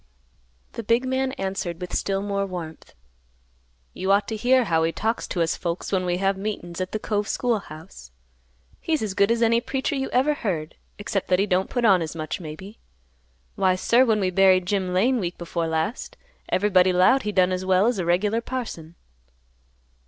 The big man answered with still more warmth, "You ought to hear how he talks to us folks when we have meetin's at the Cove school house. He's as good as any preacher you ever heard; except that he don't put on as much, maybe. Why, sir, when we buried Jim Lane week before last, everybody 'lowed he done as well as a regular parson."